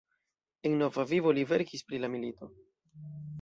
En nova vivo li verkis pri la milito.